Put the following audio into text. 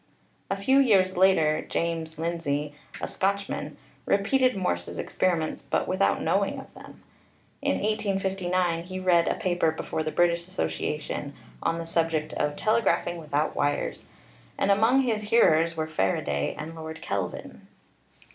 A few years later James Lindsay, a Scotch man, repeated Morse's experiments, but without knowing of them. In 1859 he read a paper before the British Asso ciation on the subject of "Telegraphing without Wires,'* and among his hearers were Faraday and Lord Kelvin.